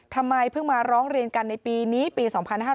ทำไมเพิ่งมาร้องเรียนกันในปีนี้ปี๒๕๕๙